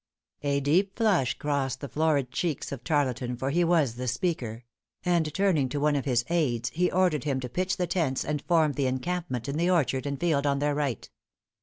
A deep flush crossed the florid cheeks of Tarleton, for he was the speaker; and turning to one of his aids, he ordered him to pitch the tents and form the encampment in the orchard and field on their right.